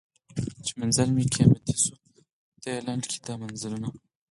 چي منزل مي قیامتي سو ته یې لنډ کي دا مزلونه